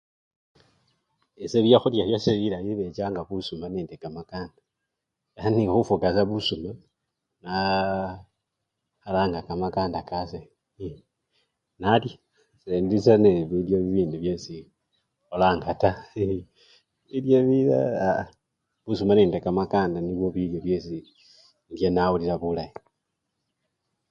Ese byakhulya byase bilayi bibechanga sa busuma nekamakanda, yani khufuka sa busuma naa! nakhalanga kamakanda kase ye! nalya.sendisa ne bilyobint byesi kholanga taa bilyo bilala ea, ea busuma nende kamakanda nibyo ndya nawulila bulayi.